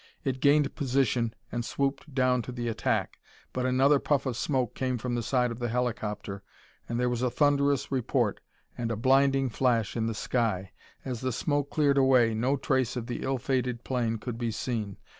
It gained position and swooped down to the attack, but another puff of smoke came from the side of the helicopter and there was a thunderous report and a blinding flash in the sky. As the smoke cleared away, no trace of the ill fated plane could be seen.